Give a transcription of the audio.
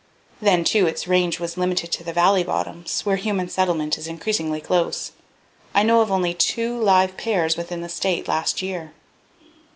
Then, too, its range was limited to the valley bottoms, where human settlement is increasingly close. I know of only two live pairs within the state last year!